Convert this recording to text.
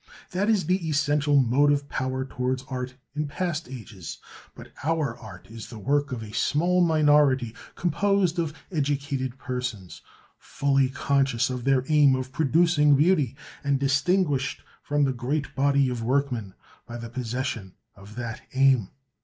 That is the essential motive power towards art in past ages; but our art is the work of a small minority composed of educated persons, fully conscious of their aim of producing beauty, and distinguished from the great body of workmen by the possession of that aim.